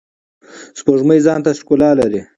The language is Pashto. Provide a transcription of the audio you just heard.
سپوږمۍ ځانته ښکلا لری.